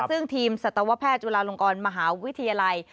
ซึ่งทีมสัตวแพทย์จุฬาลงกรมหาวิทยาลัย